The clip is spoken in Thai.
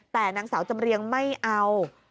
แต่นางสาวจำเรียงไม่เอา